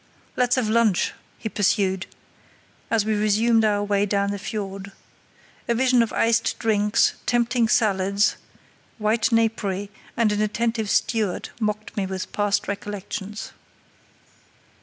"Let's have lunch," he pursued, as we resumed our way down the fiord. A vision of iced drinks, tempting salads, white napery, and an attentive steward mocked me with past recollections.